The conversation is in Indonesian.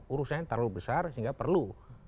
urusannya terlalu besar sehingga perlu